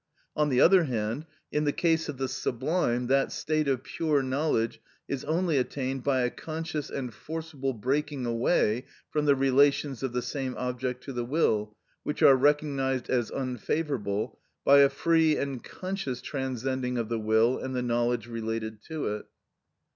On the other hand, in the case of the sublime that state of pure knowledge is only attained by a conscious and forcible breaking away from the relations of the same object to the will, which are recognised as unfavourable, by a free and conscious transcending of the will and the knowledge related to it.